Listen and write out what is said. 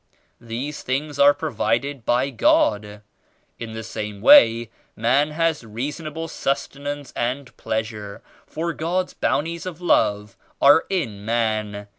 These things are provided by God. In the same way man has reasonable sus tenance and pleasure, for God's Bounties of Love are in man.